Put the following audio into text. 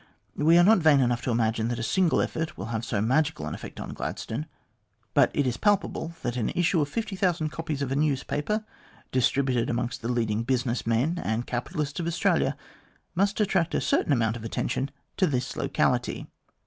We are not vain enough to imagine that a single effort will have so magical an effect on Gladstone, but it is palpable that an issue of 50,000 copies of a newspaper, distributed amongst the leading business men and capitalists of Australia, must attract a certain amount of attention to this locality."